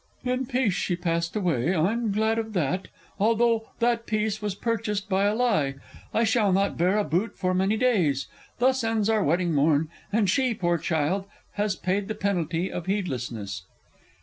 _ In peace she passed away. I'm glad of that, Although that peace was purchased by a lie. I shall not bear a boot for many days! Thus ends our wedding morn, and she, poor child, Has paid the penalty of heedlessness!